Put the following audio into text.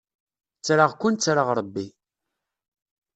Ttreɣ-ken ttreɣ Ṛebbi.